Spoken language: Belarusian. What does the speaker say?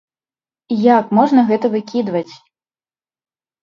Як можна гэта выкідваць?